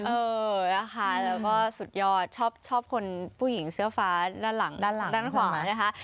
เออแล้วก็สุดยอดชอบชอบคนผู้หญิงเสื้อฟ้าด้านหลังด้านขวันนะคะ